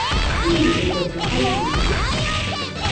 Jiibedosi jaillude